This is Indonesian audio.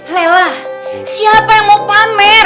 lelah siapa yang mau pamer